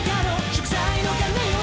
「祝祭の鐘よ